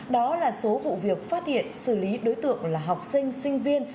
đó là số vụ việc phát hiện xử lý đối tượng là học sinh sinh viên